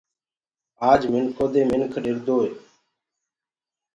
آج منکو دي منک ڏردوئي